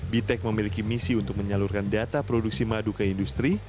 bitec memiliki misi untuk menyalurkan data produksi madu ke industri